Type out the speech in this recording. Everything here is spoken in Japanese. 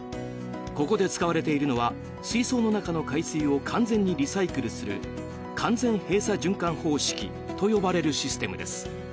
ここで使われているのは水槽の中の海水を完全にリサイクルする完全閉鎖循環方式と呼ばれるシステムです。